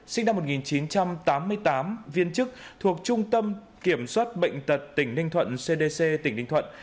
sinh năm một nghìn chín trăm tám mươi tám viên chức thuộc trung tâm kiểm soát bệnh tật tỉnh ninh thuận cdc tỉnh ninh thuận